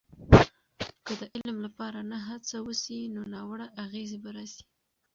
که د علم لپاره نه هڅه وسي، نو ناوړه اغیزې به راسي.